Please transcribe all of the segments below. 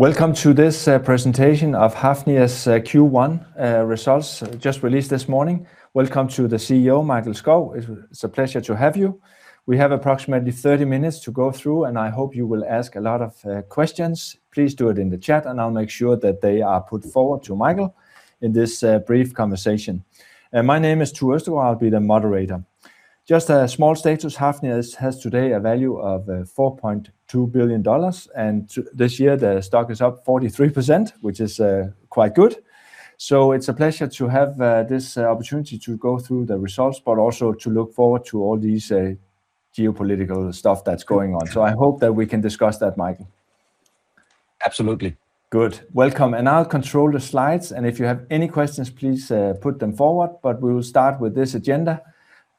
Welcome to this presentation of Hafnia's Q1 results, just released this morning. Welcome to the CEO, Mikael Skov. It's a pleasure to have you. We have approximately 30 minutes to go through. I hope you will ask a lot of questions. Please do it in the chat. I'll make sure that they are put forward to Mikael in this brief conversation. My name is Tue Østergaard. I'll be the moderator. Just a small status, Hafnia has today a value of $4.2 billion. This year, the stock is up 43%, which is quite good. It's a pleasure to have this opportunity to go through the results, but also to look forward to all these geopolitical stuff that's going on. I hope that we can discuss that, Mikael. Absolutely. Good. Welcome. I'll control the slides, and if you have any questions, please put them forward. We will start with this agenda,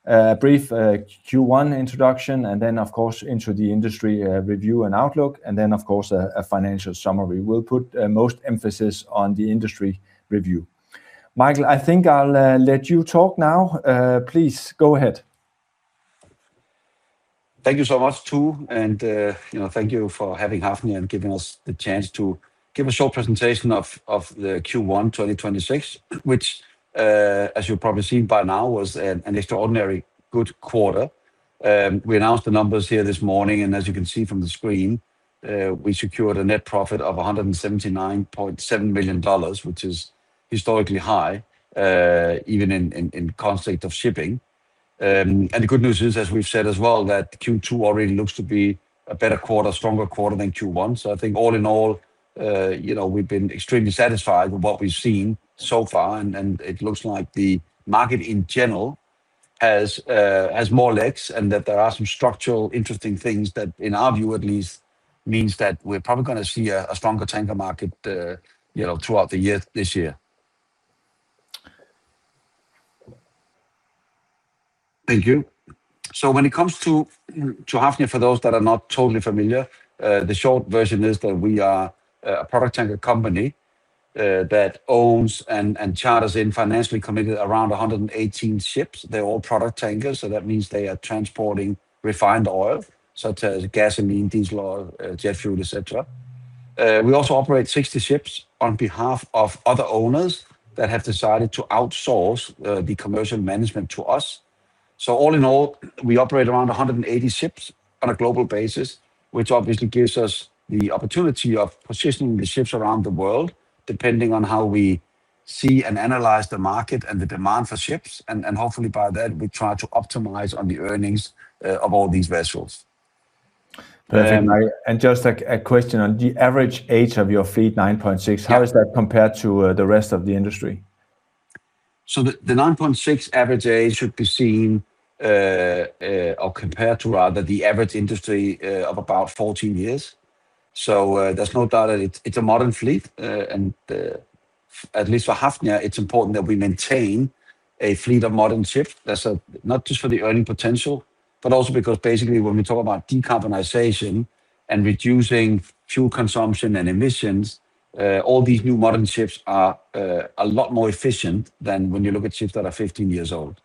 a brief Q1 introduction, then, of course, into the industry review and outlook, then, of course, a financial summary. We'll put most emphasis on the industry review. Mikael, I think I'll let you talk now. Please, go ahead. Thank you so much, Tue, and thank you for having Hafnia and giving us the chance to give a short presentation of the Q1 2026, which, as you've probably seen by now, was an extraordinary good quarter. We announced the numbers here this morning. As you can see from the screen, we secured a net profit of $179.7 million, which is historically high, even in concept of shipping. The good news is, as we've said as well, that Q2 already looks to be a better quarter, stronger quarter than Q1. I think all in all, we've been extremely satisfied with what we've seen so far, and it looks like the market in general has more legs and that there are some structural interesting things that, in our view at least, means that we're probably going to see a stronger tanker market throughout the year, this year. Thank you. When it comes to Hafnia, for those that are not totally familiar, the short version is that we are a product tanker company that owns and charters in financially committed around 118 ships. They're all product tankers, so that means they are transporting refined oil such as gasoline, diesel, or jet fuel, et cetera. We also operate 60 ships on behalf of other owners that have decided to outsource the commercial management to us. All in all, we operate around 180 ships on a global basis, which obviously gives us the opportunity of positioning the ships around the world depending on how we see and analyze the market and the demand for ships. Hopefully by that, we try to optimize on the earnings of all these vessels. Perfect. Just a question on the average age of your fleet, 9.6 Yeah How is that compared to the rest of the industry? The 9.6 average age should be seen, or compared to rather the average industry of about 14 years. There's no doubt that it's a modern fleet. At least for Hafnia, it's important that we maintain a fleet of modern ships. That's not just for the earning potential, but also because basically, when we talk about decarbonization and reducing fuel consumption and emissions, all these new modern ships are a lot more efficient than when you look at ships that are 15 years old.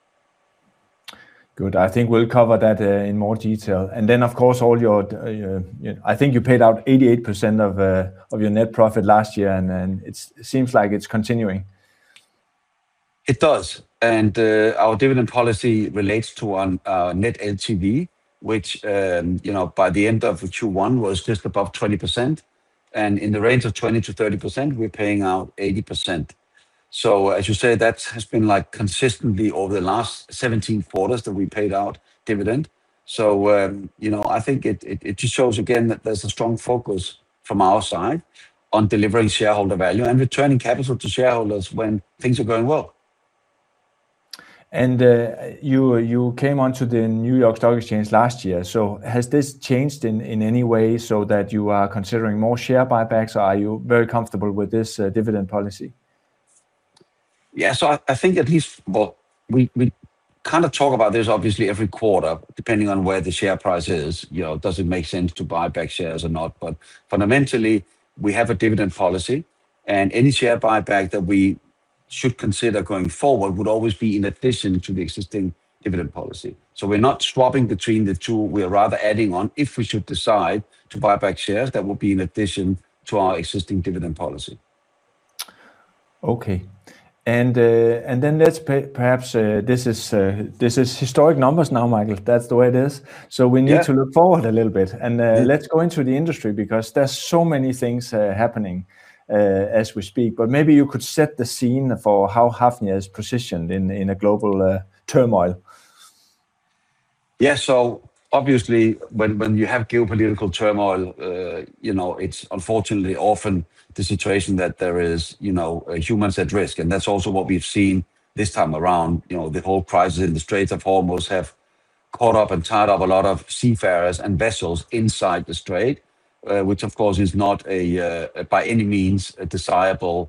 Good. I think we'll cover that in more detail. I think you paid out 88% of your net profit last year, and then it seems like it's continuing. It does. Our dividend policy relates to net LTV, which, by the end of Q1, was just above 20%. In the range of 20%-30%, we're paying out 80%. As you say, that has been like consistently over the last 17 quarters that we paid out dividend. I think it just shows again that there's a strong focus from our side on delivering shareholder value and returning capital to shareholders when things are going well. You came onto the New York Stock Exchange last year. Has this changed in any way so that you are considering more share buybacks, or are you very comfortable with this dividend policy? Yeah. I think Well, we kind of talk about this obviously every quarter, depending on where the share price is. Does it make sense to buy back shares or not? Fundamentally, we have a dividend policy, and any share buyback that we should consider going forward would always be in addition to the existing dividend policy. We're not swapping between the two. We are rather adding on. If we should decide to buy back shares, that will be in addition to our existing dividend policy. Okay. Let's perhaps, this is historic numbers now, Mikael. That's the way it is. Yeah. We need to look forward a little bit. Yeah. Let's go into the industry because there's so many things happening as we speak. Maybe you could set the scene for how Hafnia is positioned in a global turmoil. Yeah. Obviously when you have geopolitical turmoil, it's unfortunately often the situation that there is humans at risk, and that's also what we've seen this time around. The whole crisis in the Strait of Hormuz have caught up and tied up a lot of seafarers and vessels inside the Strait, which of course is not by any means a desirable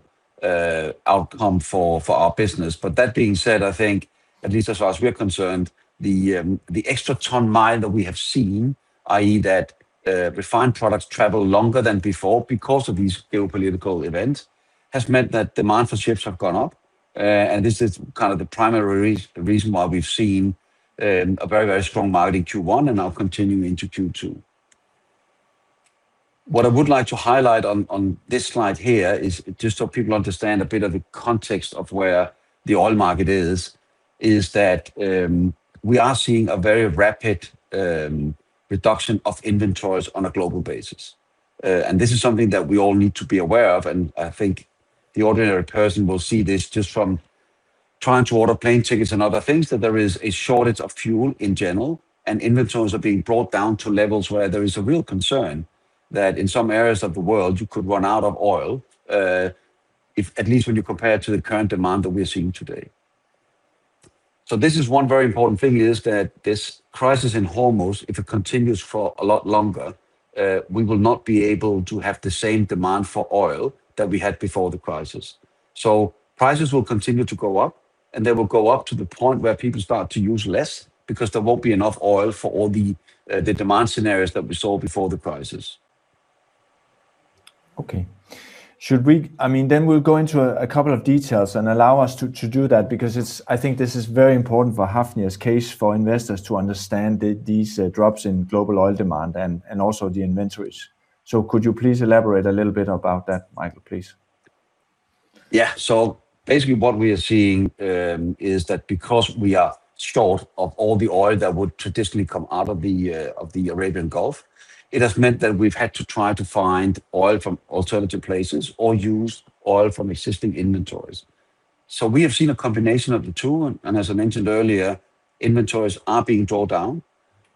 outcome for our business. That being said, I think at least as far as we're concerned, the extra ton-mile that we have seen, i.e., that refined products travel longer than before because of these geopolitical events, has meant that demand for ships have gone up. This is kind of the primary reason why we've seen a very strong market in Q1 and now continuing into Q2. What I would like to highlight on this slide here is just so people understand a bit of the context of where the oil market is that we are seeing a very rapid reduction of inventories on a global basis. This is something that we all need to be aware of, and I think the ordinary person will see this just from trying to order plane tickets and other things, that there is a shortage of fuel in general, and inventories are being brought down to levels where there is a real concern that in some areas of the world, you could run out of oil, at least when you compare to the current demand that we're seeing today. This is one very important thing, is that this crisis in Hormuz, if it continues for a lot longer, we will not be able to have the same demand for oil that we had before the crisis. Prices will continue to go up, and they will go up to the point where people start to use less because there won't be enough oil for all the demand scenarios that we saw before the crisis. Okay. We'll go into a couple of details and allow us to do that because I think this is very important for Hafnia's case for investors to understand these drops in global oil demand and also the inventories. Could you please elaborate a little bit about that, Mikael, please? Basically what we are seeing is that because we are short of all the oil that would traditionally come out of the Arabian Gulf, it has meant that we've had to try to find oil from alternative places or use oil from existing inventories. We have seen a combination of the two. As I mentioned earlier, inventories are being drawn down.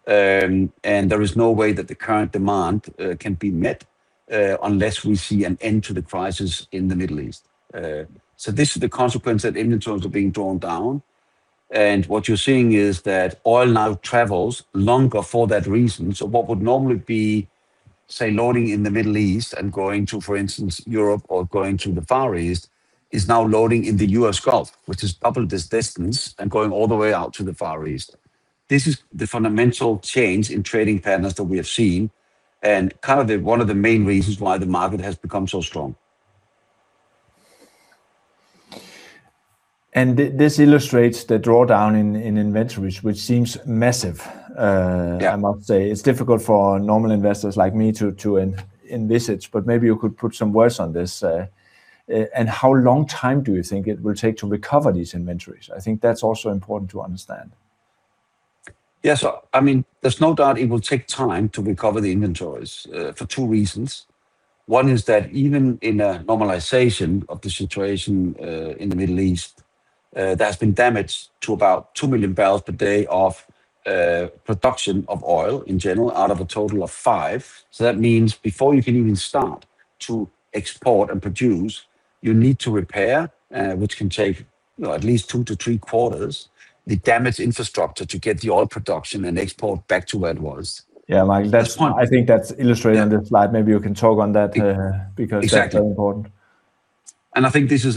There is no way that the current demand can be met, unless we see an end to the crisis in the Middle East. This is the consequence that inventories are being drawn down. What you're seeing is that oil now travels longer for that reason. What would normally be, say, loading in the Middle East and going to, for instance, Europe or going to the Far East, is now loading in the U.S. Gulf, which has doubled its distance and going all the way out to the Far East. This is the fundamental change in trading patterns that we have seen and kind of one of the main reasons why the market has become so strong. This illustrates the drawdown in inventories, which seems massive. Yeah I must say. It's difficult for normal investors like me to envisage, but maybe you could put some words on this. How long time do you think it will take to recover these inventories? I think that's also important to understand. There's no doubt it will take time to recover the inventories, for two reasons. One is that even in a normalization of the situation, in the Middle East, there's been damage to about 2 million barrels per day of production of oil in general, out of a total of five. That means before you can even start to export and produce, you need to repair, which can take at least two to three quarters, the damaged infrastructure to get the oil production and export back to where it was. Yeah, Mikael. I think that's illustrated on this slide. Maybe you can talk on that. Exactly because that's very important. I think this is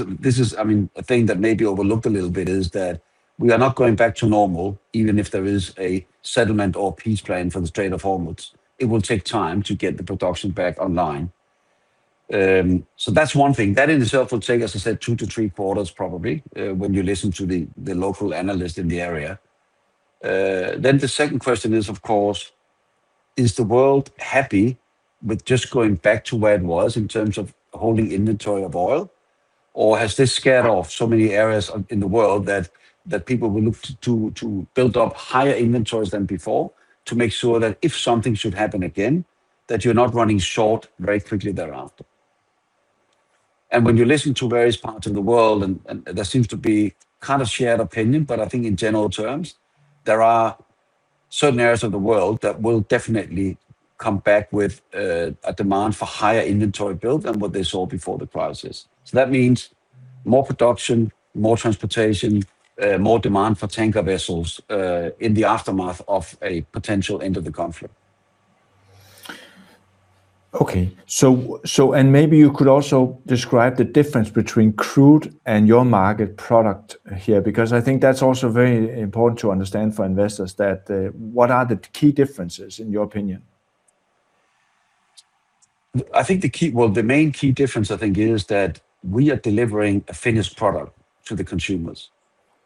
a thing that may be overlooked a little bit, is that we are not going back to normal, even if there is a settlement or peace plan for the Strait of Hormuz. It will take time to get the production back online. That's one thing. That in itself will take, as I said, two to three quarters probably, when you listen to the local analyst in the area. The second question is, of course, is the world happy with just going back to where it was in terms of holding inventory of oil, or has this scared off so many areas in the world that people will look to build up higher inventories than before to make sure that if something should happen again, that you're not running short very quickly thereafter? When you listen to various parts of the world, and there seems to be kind of shared opinion, but I think in general terms, there are certain areas of the world that will definitely come back with a demand for higher inventory build than what they saw before the crisis. That means more production, more transportation, more demand for tanker vessels, in the aftermath of a potential end of the conflict. Okay. Maybe you could also describe the difference between crude and your market product here, because I think that's also very important to understand for investors that what are the key differences in your opinion? I think the main key difference is that we are delivering a finished product to the consumers.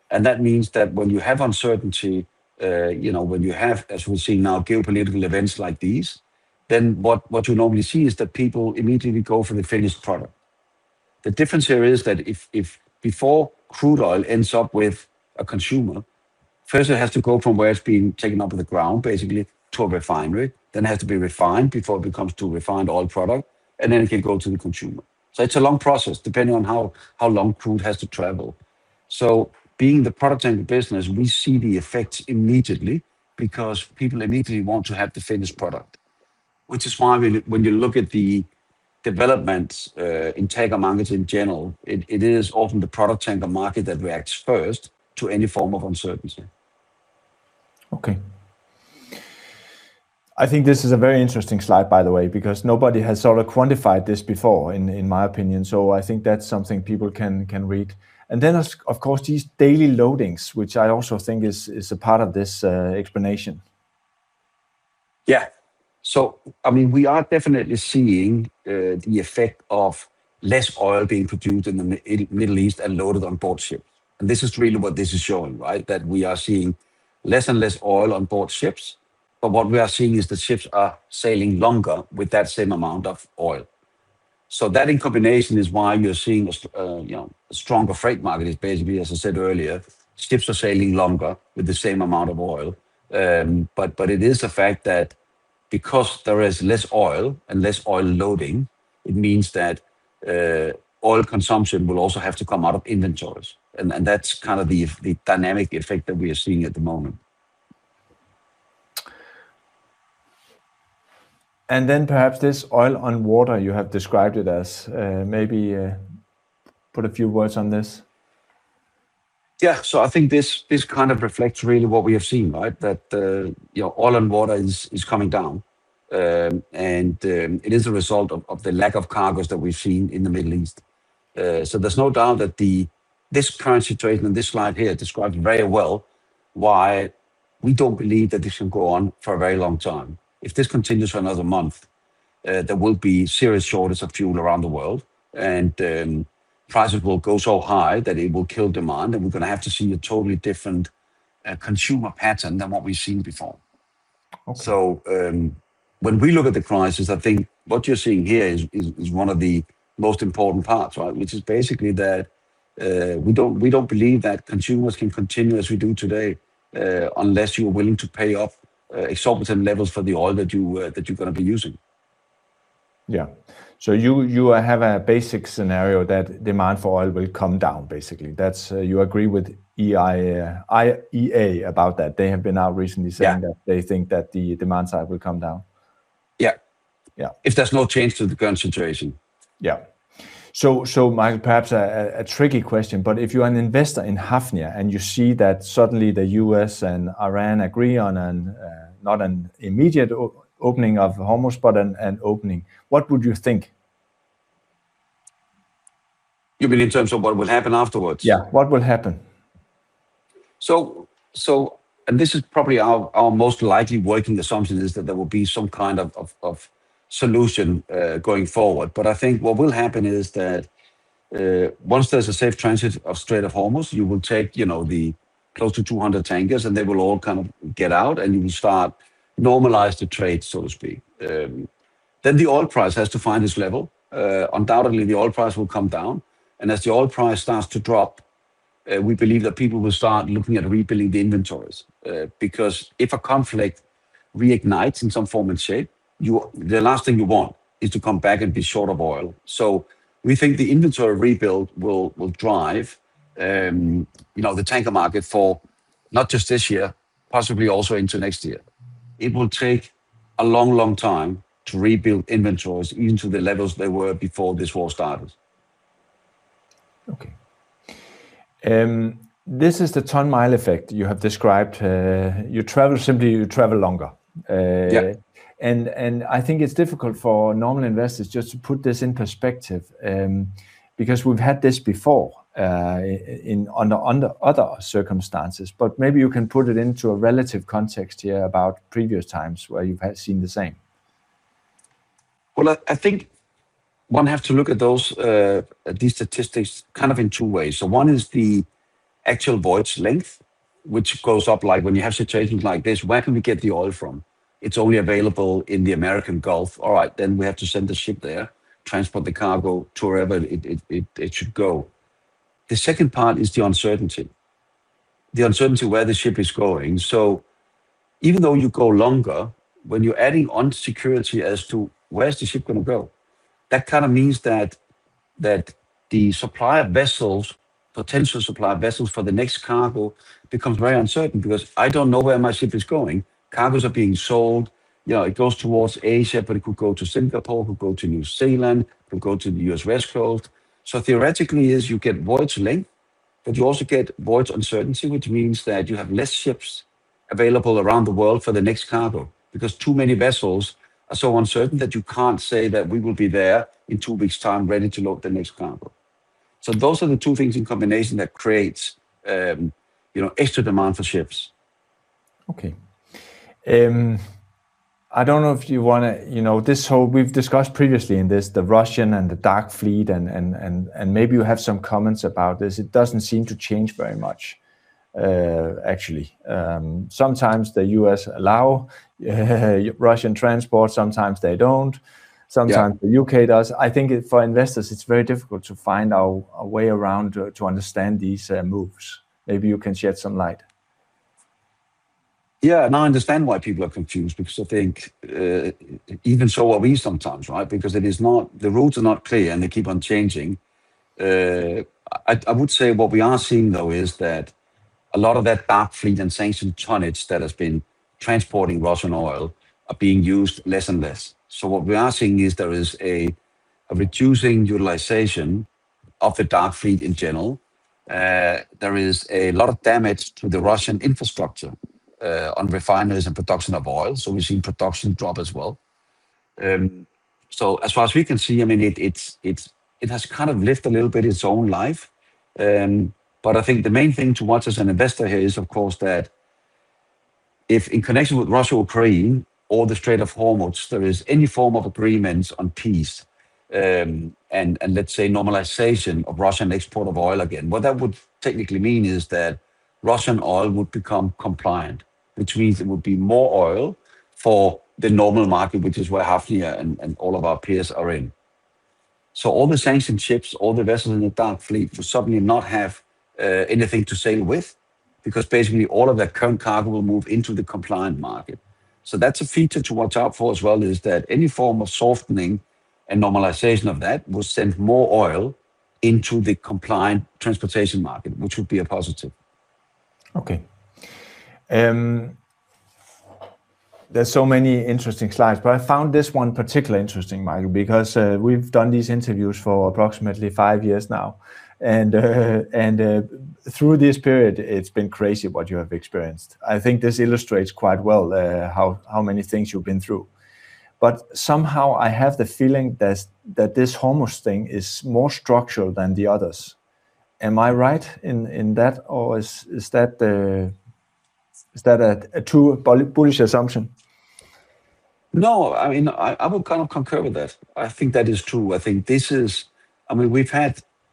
That means that when you have uncertainty, when you have, as we're seeing now, geopolitical events like these, then what you normally see is that people immediately go for the finished product. The difference here is that before crude oil ends up with a consumer, first it has to go from where it's been taken up in the ground, basically to a refinery. It has to be refined before it becomes to refined oil product, and then it can go to the consumer. It's a long process depending on how long crude has to travel. Being the product tank business, we see the effects immediately because people immediately want to have the finished product. When you look at the development in tanker markets in general, it is often the product tanker market that reacts first to any form of uncertainty. Okay. I think this is a very interesting slide, by the way, because nobody has sort of quantified this before, in my opinion. I think that's something people can read. Then, of course, these daily loadings, which I also think is a part of this explanation. Yeah. We are definitely seeing the effect of less oil being produced in the Middle East and loaded on board ships. This is really what this is showing, right? That we are seeing less and less oil on board ships, but what we are seeing is that ships are sailing longer with that same amount of oil. That in combination is why you're seeing a stronger freight market, is basically, as I said earlier, ships are sailing longer with the same amount of oil. It is a fact that because there is less oil and less oil loading, it means that oil consumption will also have to come out of inventories, and that's kind of the dynamic effect that we are seeing at the moment. Perhaps this oil on water, you have described it as, maybe put a few words on this. Yeah. I think this kind of reflects really what we have seen, right? That oil on water is coming down. It is a result of the lack of cargoes that we've seen in the Middle East. There's no doubt that this current situation and this slide here describes very well why we don't believe that this can go on for a very long time. If this continues for another month, there will be serious shortage of fuel around the world, and prices will go so high that it will kill demand, and we're going to have to see a totally different consumer pattern than what we've seen before. Okay. When we look at the crisis, I think what you're seeing here is one of the most important parts, right? Which is basically that we don't believe that consumers can continue as we do today, unless you're willing to pay off exorbitant levels for the oil that you're going to be using. Yeah. You have a basic scenario that demand for oil will come down, basically. You agree with IEA about that. They have been out recently saying- Yeah that they think that the demand side will come down. Yeah. Yeah. If there's no change to the current situation. Yeah. Mikael, perhaps a tricky question, but if you're an investor in Hafnia and you see that suddenly the U.S. and Iran agree on, not an immediate opening of Hormuz, but an opening, what would you think? You mean in terms of what will happen afterwards? Yeah. What will happen? This is probably our most likely working assumption, is that there will be some kind of solution going forward. I think what will happen is that, once there's a safe transit of Strait of Hormuz, you will take the close to 200 tankers, and they will all kind of get out, and you will start normalize the trade, so to speak. The oil price has to find its level. Undoubtedly, the oil price will come down. As the oil price starts to drop, we believe that people will start looking at rebuilding the inventories. If a conflict reignites in some form and shape, the last thing you want is to come back and be short of oil. We think the inventory rebuild will drive the tanker market for not just this year, possibly also into next year. It will take a long, long time to rebuild inventories even to the levels they were before this war started. Okay. This is the ton-mile effect you have described. You travel simply, you travel longer. Yeah. I think it's difficult for normal investors just to put this in perspective, because we've had this before under other circumstances, but maybe you can put it into a relative context here about previous times where you've had seen the same. I think one have to look at these statistics kind of in two ways. One is the actual voyage length, which goes up, like when you have situations like this, where can we get the oil from? It's only available in the American Gulf. All right, we have to send the ship there, transport the cargo to wherever it should go. The second part is the uncertainty. The uncertainty where the ship is going. Even though you go longer, when you're adding on security as to where's the ship going to go, that kind of means that the supply of vessels, potential supply of vessels for the next cargo, becomes very uncertain because I don't know where my ship is going. Cargoes are being sold. It goes towards Asia, but it could go to Singapore, it could go to New Zealand, it could go to the U.S. West Coast. Theoretically is you get voyage length, but you also get voyage uncertainty, which means that you have less ships available around the world for the next cargo because too many vessels are so uncertain that you can't say that we will be there in two weeks time ready to load the next cargo. Those are the two things in combination that creates extra demand for ships. Okay. We've discussed previously in this, the Russian and the dark fleet and maybe you have some comments about this. It doesn't seem to change very much, actually. Sometimes the U.S. allow Russian transport, sometimes they don't. Yeah. Sometimes the U.K. does. I think for investors it's very difficult to find a way around to understand these moves. Maybe you can shed some light. I understand why people are confused because I think, even so are we sometimes, right? The routes are not clear, and they keep on changing. I would say what we are seeing, though, is that a lot of that dark fleet and sanctioned tonnage that has been transporting Russian oil are being used less and less. What we are seeing is there is a reducing utilization of the dark fleet in general. There is a lot of damage to the Russian infrastructure, on refineries and production of oil. We've seen production drop as well. As far as we can see, it has kind of lived a little bit its own life. I think the main thing to watch as an investor here is, of course, that if in connection with Russia or Ukraine or the Strait of Hormuz, there is any form of agreements on peace, and, let's say normalization of Russian export of oil again, what that would technically mean is that Russian oil would become compliant, which means there would be more oil for the normal market, which is where Hafnia and all of our peers are in. All the sanctioned ships, all the vessels in the dark fleet will suddenly not have anything to sail with because basically all of that current cargo will move into the compliant market. That's a feature to watch out for as well, is that any form of softening and normalization of that will send more oil into the compliant transportation market, which would be a positive. There's so many interesting slides, but I found this one particularly interesting, Mikael, because we've done these interviews for approximately five years now, and through this period it's been crazy what you have experienced. I think this illustrates quite well how many things you've been through. Somehow I have the feeling that this Hormuz thing is more structural than the others. Am I right in that, or is that a true bullish assumption? No, I would kind of concur with that. I think that is true.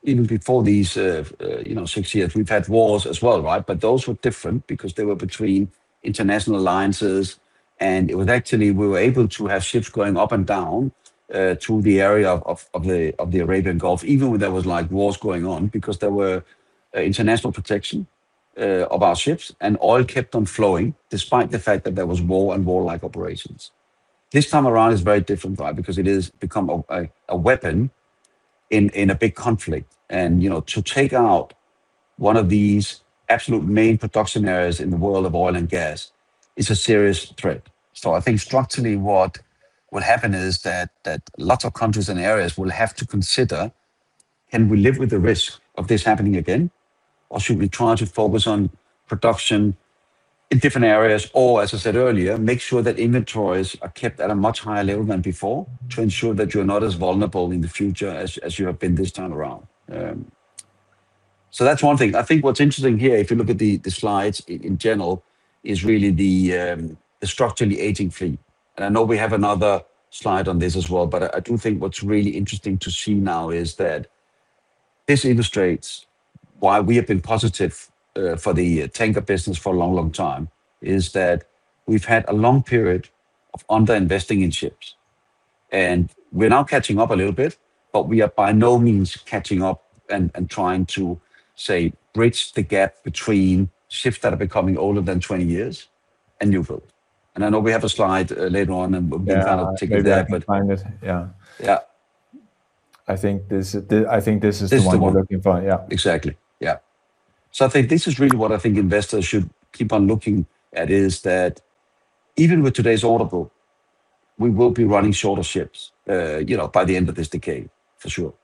Even before these six years, we've had wars as well, right? Those were different because they were between international alliances, and actually, we were able to have ships going up and down through the area of the Arabian Gulf, even when there was wars going on because there were international protection of our ships, and oil kept on flowing despite the fact that there was war and warlike operations. This time around is very different, right? Because it has become a weapon in a big conflict. To take out one of these absolute main production areas in the world of oil and gas is a serious threat. I think structurally what will happen is that lots of countries and areas will have to consider, can we live with the risk of this happening again, or should we try to focus on production in different areas? As I said earlier, make sure that inventories are kept at a much higher level than before to ensure that you're not as vulnerable in the future as you have been this time around. That's one thing. I think what's interesting here, if you look at the slides in general, is really the structurally aging fleet. I know we have another slide on this as well, but I do think what's really interesting to see now is that this illustrates why we have been positive for the tanker business for a long, long time, is that we've had a long period of under-investing in ships, and we're now catching up a little bit, but we are by no means catching up and trying to, say, bridge the gap between ships that are becoming older than 20 years and new build. I know we have a slide later on and we'll be kind of taking that. Yeah. If we can find it. Yeah. Yeah. I think this is the one we're looking for. This is the one. Yeah. Exactly. Yeah. I think this is really what I think investors should keep on looking at, is that even with today's order book, we will be running shorter ships by the end of this decade for sure.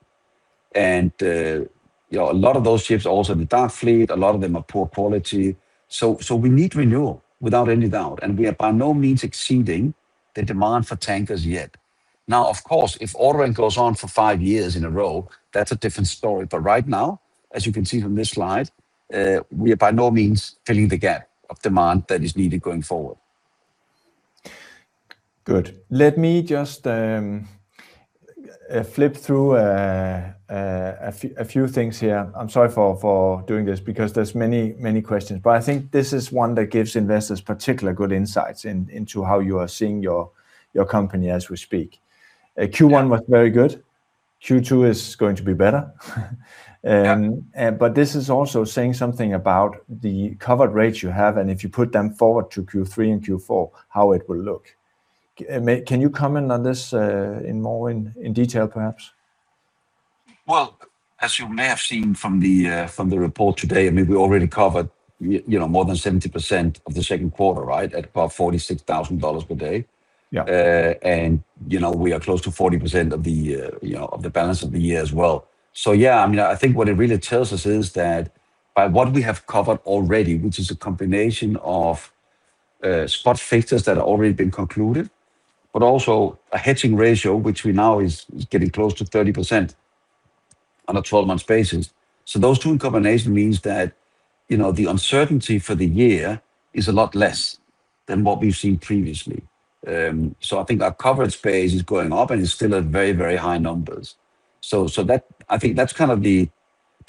A lot of those ships are also in the dark fleet, a lot of them are poor quality. We need renewal without any doubt, and we are by no means exceeding the demand for tankers yet. Of course, if ordering goes on for five years in a row, that's a different story. Right now, as you can see from this slide, we are by no means filling the gap of demand that is needed going forward. Good. Let me just flip through a few things here. I'm sorry for doing this because there's many questions, but I think this is one that gives investors particular good insights into how you are seeing your company as we speak. Yeah. Q1 was very good. Q2 is going to be better. Yeah. This is also saying something about the covered rates you have, and if you put them forward to Q3 and Q4, how it will look. Can you comment on this in more in detail, perhaps? Well, as you may have seen from the report today, we already covered more than 70% of the second quarter at about $46,000 per day. Yeah. We are close to 40% of the balance of the year as well. Yeah, I think what it really tells us is that by what we have covered already, which is a combination of spot fixtures that have already been concluded, but also a hedging ratio, which now is getting close to 30% on a 12-month basis. Those two in combination means that the uncertainty for the year is a lot less than what we've seen previously. I think our coverage base is going up and is still at very, very high numbers. I think that's kind of the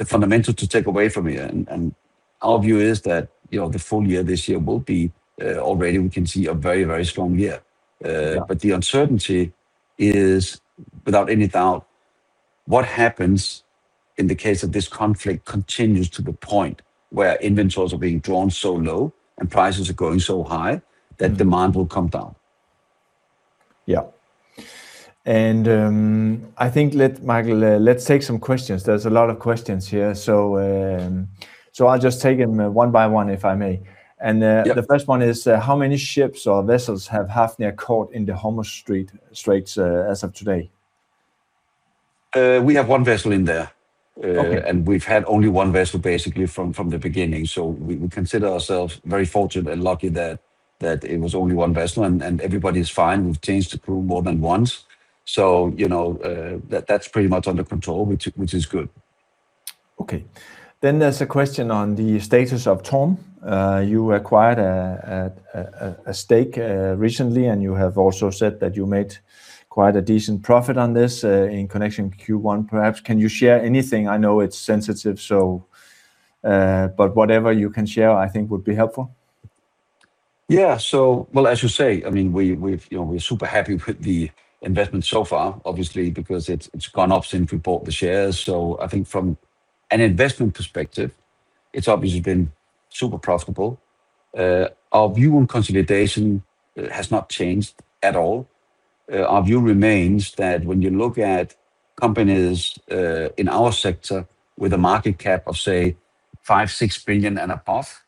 fundamental to take away from here, and our view is that the full year this year will be, already we can see a very, very strong year. Yeah. The uncertainty is, without any doubt, what happens in the case that this conflict continues to the point where inventories are being drawn so low and prices are going so high that demand will come down. Yeah. I think, Mikael, let's take some questions. There's a lot of questions here, so I'll just take them one by one, if I may. Yeah. The first one is, how many ships or vessels have Hafnia caught in the Hormuz Strait as of today? We have one vessel in there. Okay. We've had only one vessel basically from the beginning. We consider ourselves very fortunate and lucky that it was only one vessel, and everybody's fine. We've changed the crew more than once, so that's pretty much under control, which is good. Okay. There's a question on the status of TORM. You acquired a stake recently, and you have also said that you made quite a decent profit on this in connection Q1, perhaps. Can you share anything? I know it's sensitive, but whatever you can share I think would be helpful. Well, as you say, we're super happy with the investment so far, obviously, because it's gone up since we bought the shares. I think from an investment perspective, it's obviously been super profitable. Our view on consolidation has not changed at all. Our view remains that when you look at companies in our sector with a market cap of, say, $5 billion-$6 billion and above,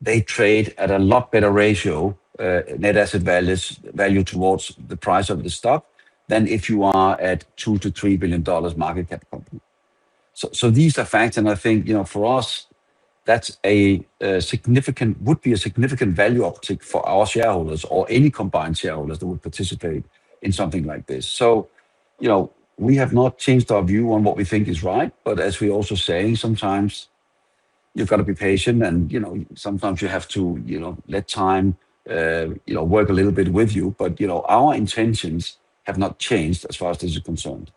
they trade at a lot better ratio, net asset values towards the price of the stock than if you are at a $2 billion-$3 billion market cap company. These are facts and I think, for us that would be a significant value uptick for our shareholders or any combined shareholders that would participate in something like this. We have not changed our view on what we think is right, but as we also say, sometimes you've got to be patient and sometimes you have to let time work a little bit with you. Our intentions have not changed as far as this is concerned.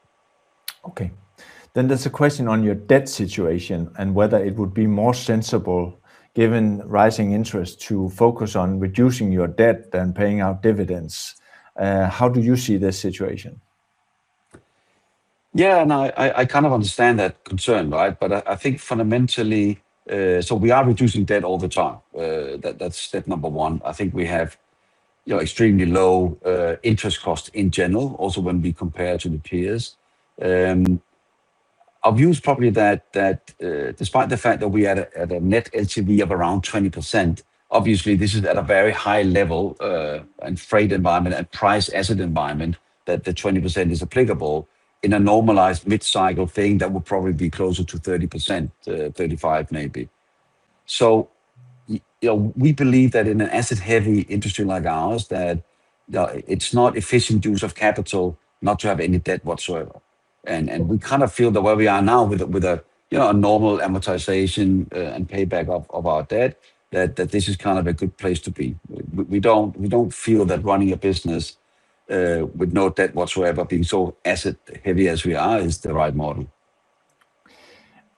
Okay. There's a question on your debt situation and whether it would be more sensible, given rising interest, to focus on reducing your debt than paying out dividends. How do you see this situation? Yeah, no, I kind of understand that concern, right? I think fundamentally, we are reducing debt all the time. That's step number one. I think we have extremely low interest costs in general, also when we compare to the peers. Our view is probably that despite the fact that we had a net LTV of around 20%, obviously this is at a very high level, and freight environment and price asset environment, that the 20% is applicable in a normalized mid-cycle thing that will probably be closer to 30%-35% maybe. We believe that in an asset-heavy industry like ours, that it's not efficient use of capital not to have any debt whatsoever. We kind of feel that where we are now with a normal amortization and payback of our debt, that this is kind of a good place to be. We don't feel that running a business with no debt whatsoever, being so asset heavy as we are, is the right model.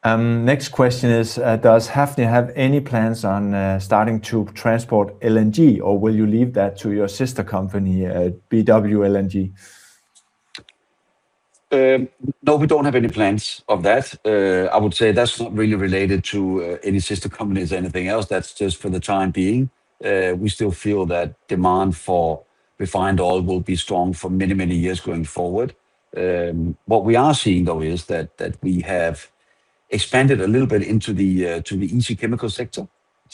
Next question is, does Hafnia have any plans on starting to transport LNG, or will you leave that to your sister company at BW LNG? No, we don't have any plans of that. I would say that's not really related to any sister companies or anything else. That's just for the time being. We still feel that demand for refined oil will be strong for many, many years going forward. What we are seeing, though, is that we have expanded a little bit into the easy chemical sector.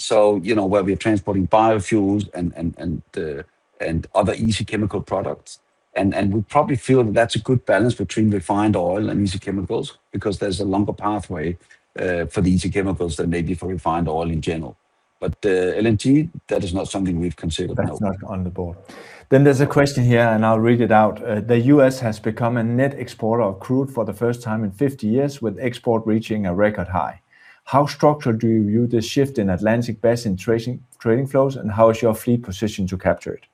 Where we are transporting biofuels and other easy chemical products, and we probably feel that's a good balance between refined oil and easy chemicals because there's a longer pathway for the easy chemicals than maybe for refined oil in general. LNG, that is not something we've considered. That's not on the board. There's a question here, and I'll read it out. The U.S. has become a net exporter of crude for the first time in 50 years, with export reaching a record high. How structural do you view this shift in Atlantic Basin trading flows, and how is your fleet positioned to capture it?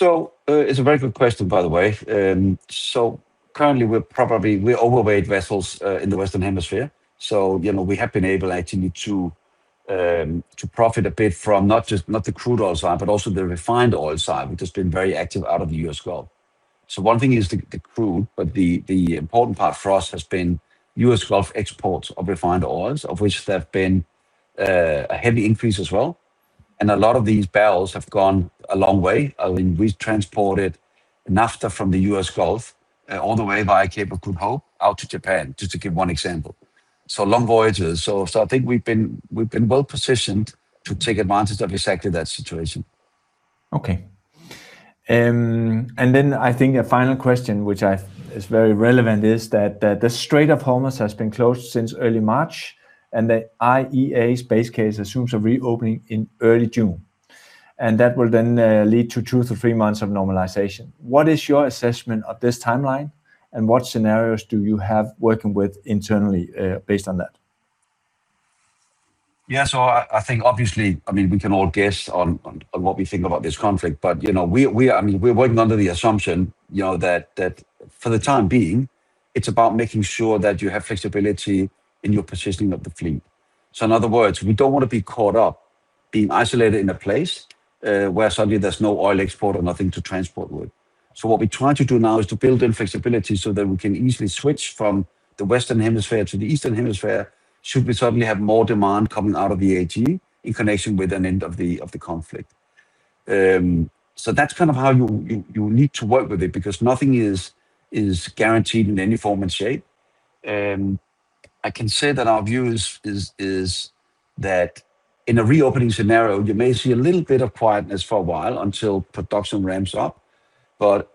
It's a very good question, by the way. Currently, we're overweight vessels in the Western Hemisphere. We have been able actually to profit a bit from not the crude oil side, but also the refined oil side, which has been very active out of the U.S. Gulf. One thing is the crude, but the important part for us has been U.S. Gulf exports of refined oils, of which there have been a heavy increase as well. A lot of these barrels have gone a long way. I mean, we transported naphtha from the U.S. Gulf all the way via Cape of Good Hope out to Japan, just to give one example. Long voyages. I think we've been well-positioned to take advantage of exactly that situation. Okay. Then I think a final question, which is very relevant, is that the Strait of Hormuz has been closed since early March, and the IEA's base case assumes a reopening in early June. That will then lead to two to three months of normalization. What is your assessment of this timeline, and what scenarios do you have working with internally based on that? Yeah. I think obviously, we can all guess on what we think about this conflict. We're working under the assumption that for the time being, it's about making sure that you have flexibility in your positioning of the fleet. In other words, we don't want to be caught up being isolated in a place where suddenly there's no oil export or nothing to transport with. What we're trying to do now is to build in flexibility so that we can easily switch from the Western Hemisphere to the Eastern Hemisphere should we suddenly have more demand coming out of the AG in connection with an end of the conflict. That's kind of how you need to work with it, because nothing is guaranteed in any form and shape. I can say that our view is that in a reopening scenario, you may see a little bit of quietness for a while until production ramps up.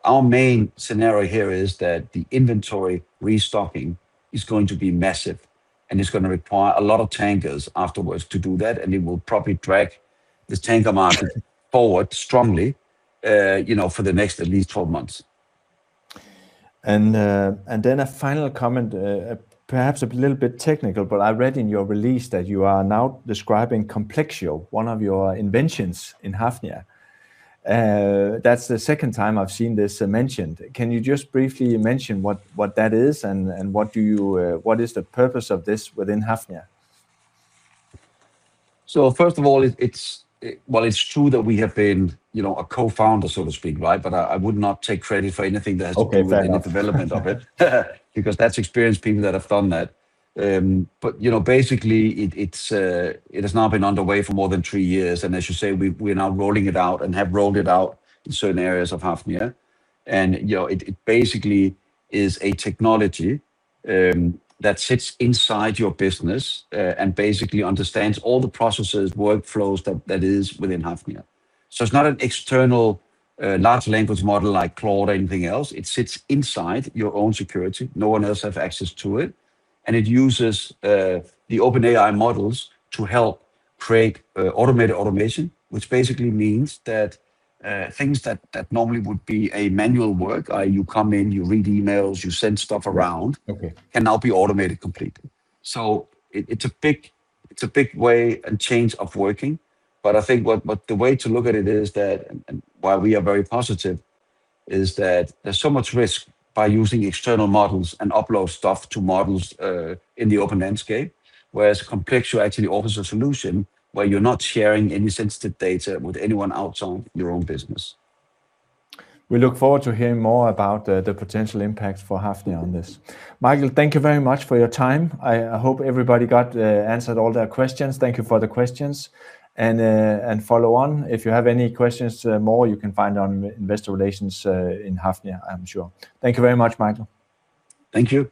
Our main scenario here is that the inventory restocking is going to be massive, and it's going to require a lot of tankers afterwards to do that, and it will probably drag the tanker market forward strongly, for the next at least 12 months. Then a final comment, perhaps a little bit technical, but I read in your release that you are now describing Complexio, one of your inventions in Hafnia. That's the second time I've seen this mentioned. Can you just briefly mention what that is and what is the purpose of this within Hafnia? First of all, it's true that we have been a co-founder, so to speak, right? I would not take credit for anything. Okay, fair enough. been in the development of it. That's experienced people that have done that. Basically, it has now been underway for more than three years, and as you say, we're now rolling it out and have rolled it out in certain areas of Hafnia. It basically is a technology that sits inside your business, and basically understands all the processes, workflows that is within Hafnia. It's not an external large language model like Claude or anything else. It sits inside your own security. No one else have access to it. It uses the OpenAI models to help create automated automation, which basically means that things that normally would be a manual work, you come in, you read emails, you send stuff around. Okay can now be automated completely. It's a big way and change of working, I think what the way to look at it is that, and why we are very positive is that there's so much risk by using external models and upload stuff to models in the open landscape, whereas Complexio actually offers a solution where you're not sharing any sensitive data with anyone outside your own business. We look forward to hearing more about the potential impact for Hafnia on this. Mikael, thank you very much for your time. I hope everybody got answered all their questions. Thank you for the questions and follow on. If you have any questions more, you can find on Investor Relations in Hafnia, I'm sure. Thank you very much, Mikael. Thank you.